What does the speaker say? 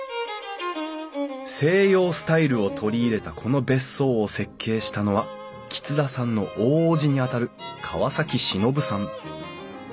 西洋スタイルを取り入れたこの別荘を設計したのは橘田さんの大伯父にあたる川崎忍さん。